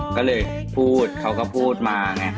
ก็เลยพูดเขาก็พูดมาไง